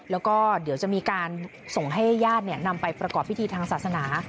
แล้วก็เดี๋ยวจะมีการส่งให้ญาตินำไปประกอบพิธีทางศาสนา